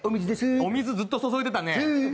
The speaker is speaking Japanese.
お水ずっと注いでたね。